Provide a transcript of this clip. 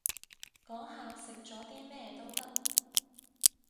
講下食咗啲咩都得